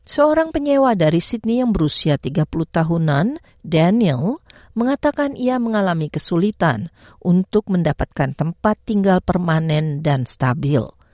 seorang penyewa dari sydney yang berusia tiga puluh tahunan daniel mengatakan ia mengalami kesulitan untuk mendapatkan tempat tinggal permanen dan stabil